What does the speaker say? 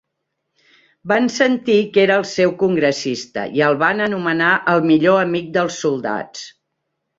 Van sentir que era el seu congressista i el van anomenar el millor amic dels soldats.